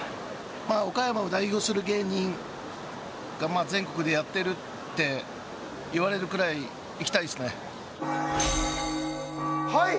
まあ岡山を代表する芸人が全国でやってるって言われるくらいいきたいですねはい！